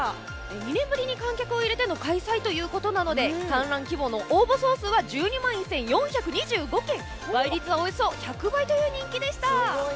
２年ぶりに観客を入れての開催ということなので観覧希望の応募総数は１２万１４２５件倍率はおよそ１００倍という人気でした。